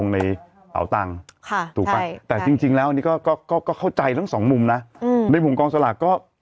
เยอะมากแล้วตกตายอยู่อุ๊ย๑๕๐เหรอคะ